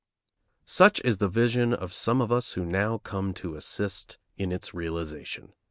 Such is the vision of some of us who now come to assist in its realization.